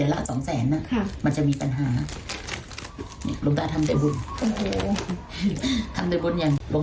พระเกจิอาจารย์ชื่อดังไปดูนะครับทุกผู้ชมครับ